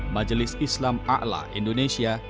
majelis islam a'la indonesia